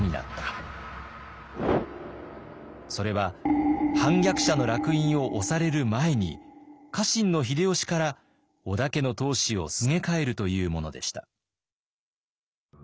それは反逆者のらく印を押される前に家臣の秀吉から織田家の当主をすげ替えるというものでした。